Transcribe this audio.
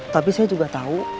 tapi saya juga tau